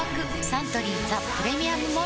サントリー「ザ・プレミアム・モルツ」